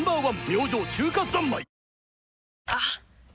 明星「中華三昧」あっ！